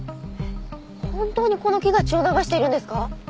本当にこの木が血を流しているんですか！？